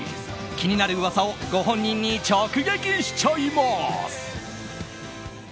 気になる噂をご本人に直撃しちゃいます！